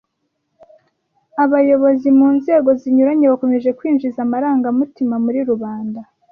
Abayobozi munzego zinyuranye bakomeje kwinjiza amarangamutima muri rubanda